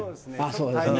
そうですね。